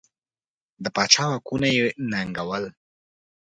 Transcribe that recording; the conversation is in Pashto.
د پاچا واکونه یې ننګول.